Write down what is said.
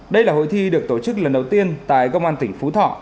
đây là hội thi được tổ chức lần đầu tiên tại công an tỉnh phú thọ